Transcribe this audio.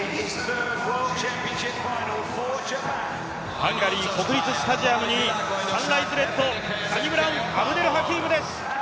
ハンガリー国立スタジアムにサンライズレッド、サニブラウン・アブデル・ハキームです。